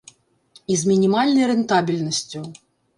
І з мінімальнай рэнтабельнасцю.